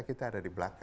kita ada di belakang